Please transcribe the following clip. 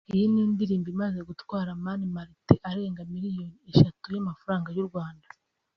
Iyi ni indirimbo imaze gutwara Mani Martin arenga miliyoni eshatu z’amafaranga y’u Rwanda